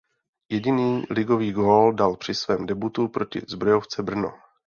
Jediný ligový gól dal při svém debutu proti Zbrojovce Brno.